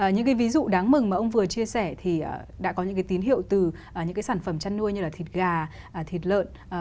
những cái ví dụ đáng mừng mà ông vừa chia sẻ thì đã có những cái tín hiệu từ những cái sản phẩm chăn nuôi như là thịt gà thịt lợn